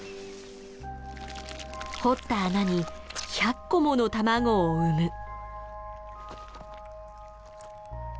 掘った穴に１００個もの卵を産む。